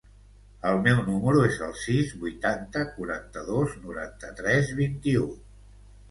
El meu número es el sis, vuitanta, quaranta-dos, noranta-tres, vint-i-u.